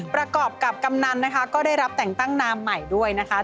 ประกอบกับกำนันนะคะก็ได้รับแต่งตั้งนามใหม่ด้วยนะคะ